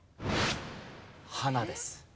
花です。